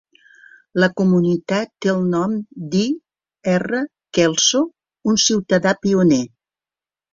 La comunitat té el nom d'I. R. Kelso, un ciutadà pioner.